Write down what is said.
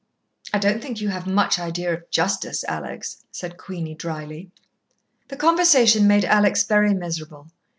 "I don't think you have much idea of justice, Alex," said Queenie drily. The conversation made Alex very miserable.